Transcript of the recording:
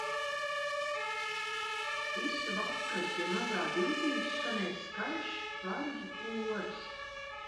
Visu vakaru pie mazā dīķīša skanēja skaļš varžu koris